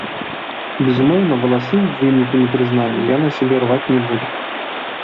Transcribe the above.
Безумоўна, валасы ў выніку непрызнання я на сабе рваць не буду.